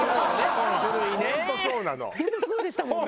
本当そうでしたもんね。